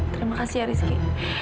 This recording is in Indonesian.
terima kasih ya rizky